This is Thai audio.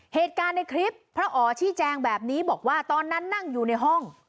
เหตุการณ์ในคลิปพระอ๋อชี้แจงแบบนี้บอกว่าตอนนั้นนั่งอยู่ในห้อง